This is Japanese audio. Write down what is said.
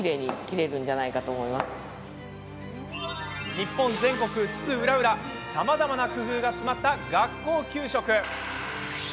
日本全国津々浦々さまざまな工夫が詰まった学校給食。